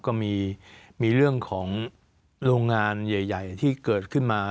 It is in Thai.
ก็มีเรื่องของโรงงานใหญ่ที่เกิดขึ้นมา